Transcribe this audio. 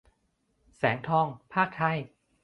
แสงทอง พากษ์ไทย